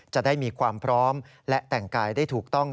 จะได้มีความพร้อมและแต่งกายได้ถูกต้อง